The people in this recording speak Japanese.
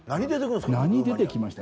何出て来ました？